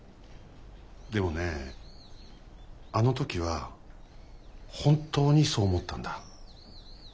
でもねあの時は本当にそう思ったんだ。